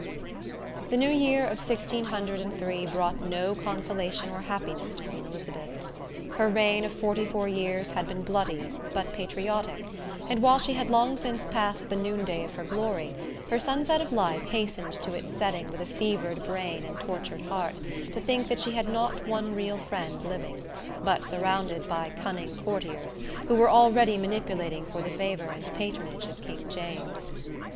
"_ The New Year of sixteen hundred and three brought no consolation or happiness to Queen Elizabeth. Her reign of forty four years had been bloody, but patriotic; and while she had long since passed the noonday of her glory, her sunset of life hastened to its setting with a fevered brain and tortured heart, to think that she had not one real friend living, but surrounded by cunning courtiers, who were already manipulating for the favor and patronage of King James.